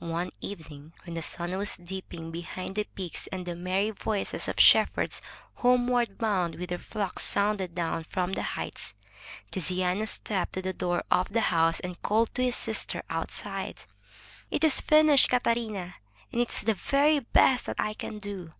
One evening, when the sun was dipping behind the peaks and the merry voices of shepherds homeward bound with their flocks sounded down from the heights, Tiziano stepped to the door of the house and called to his sister outside: "It is finished, Catarina, and is the very best that I can do!''